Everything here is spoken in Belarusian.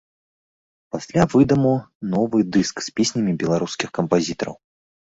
Пасля выдамо новы дыск з песнямі беларускіх кампазітараў.